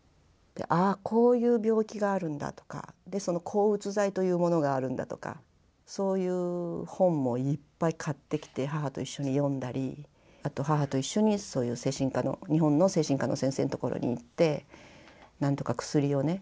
ああこういう病気があるんだとか抗うつ剤というものがあるんだとかそういう本もいっぱい買ってきて母と一緒に読んだりあと母と一緒にそういう日本の精神科の先生のところに行って何とか薬をね